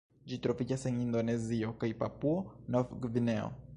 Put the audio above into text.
Ĝi troviĝas en Indonezio kaj Papuo-Nov-Gvineo.